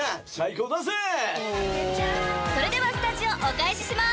［それではスタジオお返ししまーす！